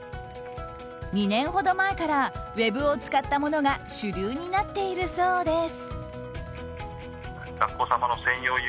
２年ほど前からウェブを使ったものが主流になっているそうです。